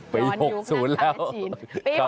ไปหกศูนย์แล้ว